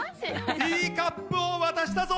ティーカップを渡したぞ！